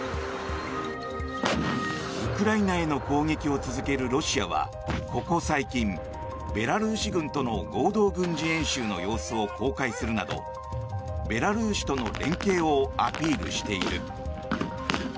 ウクライナへの攻撃を続けるロシアはここ最近、ベラルーシ軍との合同軍事演習の様子を公開するなどベラルーシとの連携をアピールしている。